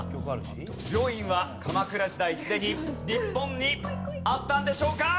病院は鎌倉時代すでに日本にあったんでしょうか？